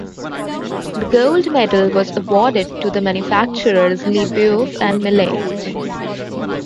The gold medal was awarded to the manufacturers Lebeuf and Milliet.